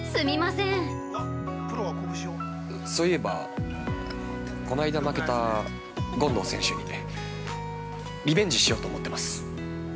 ◆そういえばこの間負けた権藤選手にリベンジしようと思ってます。